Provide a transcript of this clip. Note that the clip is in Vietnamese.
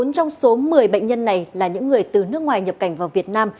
bốn trong số một mươi bệnh nhân này là những người từ nước ngoài nhập cảnh vào việt nam